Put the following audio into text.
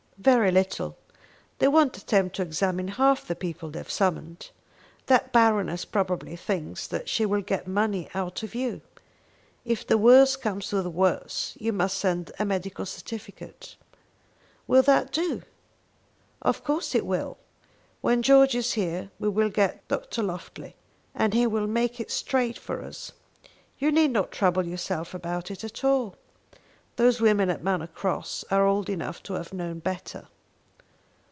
"Very little. They won't attempt to examine half the people they have summoned. That Baroness probably thinks that she will get money out of you. If the worst comes to the worst, you must send a medical certificate." "Will that do?" "Of course it will. When George is here we will get Dr. Loftly, and he will make it straight for us. You need not trouble yourself about it at all. Those women at Manor Cross are old enough to have known better."